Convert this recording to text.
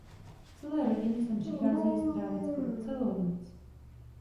Celé rodiny sem přicházejí strávit skoro celou noc.